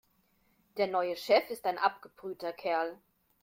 Der neue Chef ist ein abgebrühter Kerl.